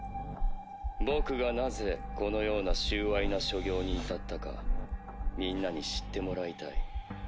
僕が何故このような醜穢な所業に至ったかみんなに知ってもらいたい。